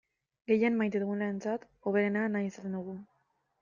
Gehien maite dugunarentzat hoberena nahi izaten dugu.